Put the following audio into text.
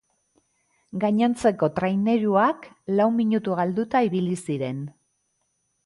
Gainontzeko traineruak lau minutu galduta ibili ziren.